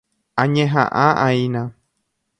Añeha'ã'aína.